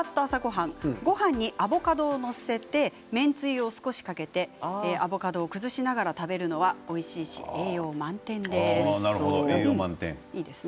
ごはんにアボカドを載せて麺つゆを少しかけてアボカドを崩しながら食べるのはおいしいし栄養満点ですということです。